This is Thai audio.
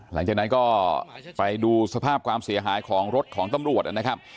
หลังจากนั้นก็ไปดูสภาพความเสียหายของรถของตำรวจนะครับ